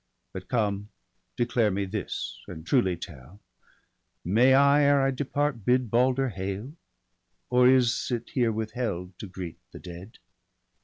But come, declare me this, and truly tell : ]\Iay I, ere I depart, bid Balder hail, Or is it here withheld to greet the dead.'''